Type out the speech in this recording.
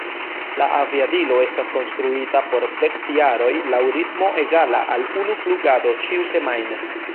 La aviadilo estas konstruita por dek jaroj laŭ ritmo egala al unu flugado ĉiusemajne.